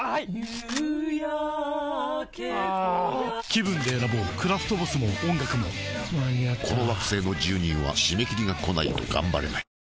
気分で選ぼうクラフトボスも音楽も間に合ったこの惑星の住人は締め切りがこないとがんばれない